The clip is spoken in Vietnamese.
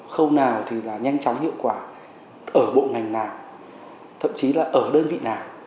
không nào nhanh chóng hiệu quả ở bộ ngành nào thậm chí là ở đơn vị nào